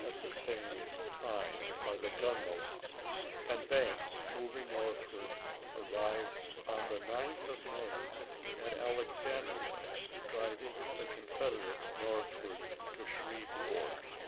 at the same time by the gunboats, and Banks, mov ing northward, arrived on the 9th of May at Alex andria, driving the Confederates northwestward to Shreveport.